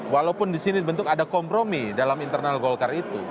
walaupun di sini dibentuk ada kompromi dalam internal golkar itu